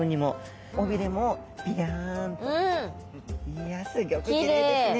いやすギョくきれいですね。